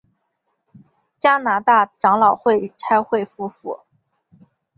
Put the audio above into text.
加拿大长老会差会夫妇。